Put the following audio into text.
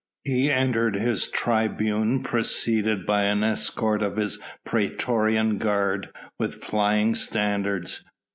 He entered his tribune preceded by an escort of his praetorian guard with flying standards.